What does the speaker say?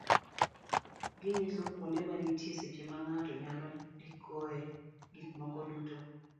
ginyiso kuonde ma nitie seche ma ng'ato nyalo ndikoe gik moko duto.